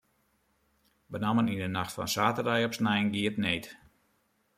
Benammen yn de nacht fan saterdei op snein gie it need.